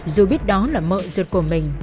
dù biết đó là mợ ruột của mình